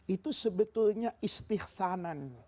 itu sebetulnya istihsanan